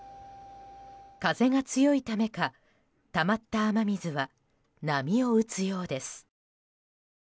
風が強いためか、たまった雨水は波を打つようです。